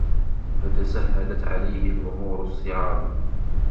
فَتَسَهَّلَتْ عَلَيْهِ الْأُمُورُ الصِّعَابُ